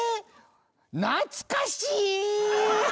懐かしい！